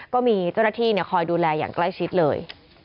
ก็มีเจ้าหน้าที่คอยดูแลอย่างใกล้ชิดเลย